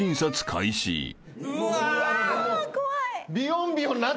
うわ怖い。